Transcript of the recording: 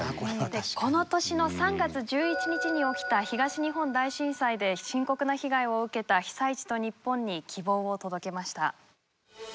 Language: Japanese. この年の３月１１日に起きた東日本大震災で深刻な被害を受けた被災地と日本に希望を届けました。